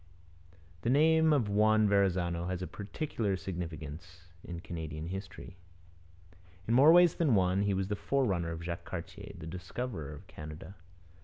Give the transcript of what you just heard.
The name of Juan Verrazano has a peculiar significance in Canadian history. In more ways than one he was the forerunner of Jacques Cartier, 'the discoverer of Canada.'